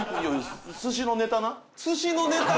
寿司のネタ？